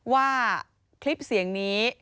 ว่าคลิปเสียงนี้